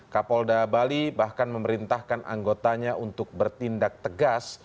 kapolda bali bahkan memerintahkan anggotanya untuk bertindak tegas